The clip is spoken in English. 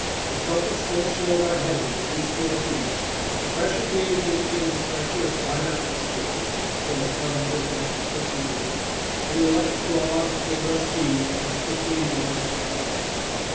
The compass still showed our heading as east northeast, the pressure gauge indicated a pressure of five atmospheres (corresponding to a depth of fifty meters), and the electric log gave our speed as fifteen miles per hour.